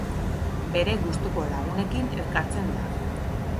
Bere gustuko lagunekin elkartzen da.